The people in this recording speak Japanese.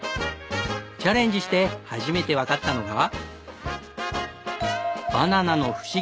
チャレンジして初めてわかったのが。